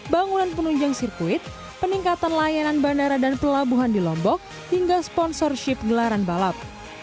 bangunan penunjang sirkuit peningkatan layanan bandara dan pelabuhan di lombok hingga sponsorship gelaran balap